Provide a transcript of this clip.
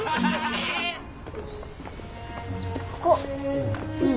ここ。